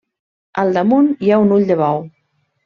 Al damunt hi ha un ull de bou.